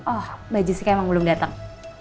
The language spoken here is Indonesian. oh mbak jessica emang belum datang